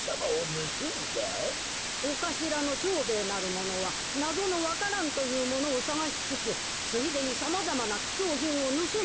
「おかしらの蝶兵衛なるものはなぞのわか蘭というものをさがしつつついでにさまざまなきちょうひんをぬすんでいくので」。